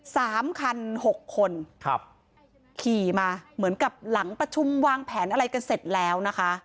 สามคันหกคนครับขี่มาเหมือนกับหลังประชุมวางแผนอะไรกันเสร็จแล้วนะคะ